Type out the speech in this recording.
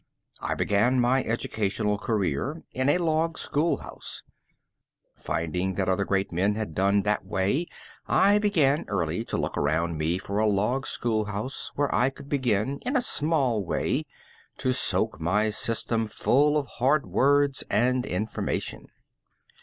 I began my educational career in a log school house. Finding that other great men had done that way, I began early to look around me for a log school house where I could begin in a small way to soak my system full of hard words and information.